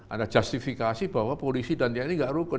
ada justifikasi bahwa polisi dan tni gak hukum